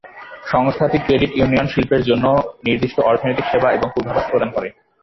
সংস্থাটি credit union শিল্পের জন্য নির্দিষ্ট অর্থনৈতিক সেবা এবং পূর্বাভাস প্রদান করে।